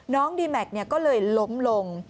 ดีแม็กซ์ก็เลยล้มลง